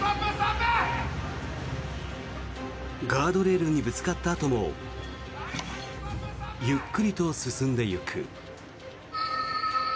ガードレールにぶつかったあともゆっくりと進んでいく。